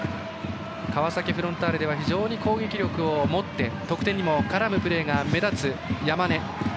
川崎フロンターレでは非常に攻撃力を持って得点にも絡むプレーが目立つ山根。